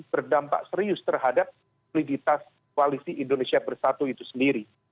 berdampak serius terhadap soliditas koalisi indonesia bersatu itu sendiri